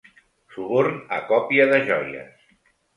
Suborn a còpia de joies.